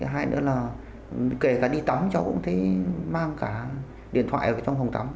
hai nữa là kể cả đi tắm cháu cũng thấy mang cả điện thoại ở trong phòng tắm